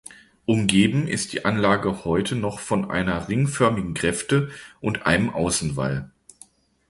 Umgeben ist die Anlage heute noch von einer ringförmigen Gräfte und einem Außenwall.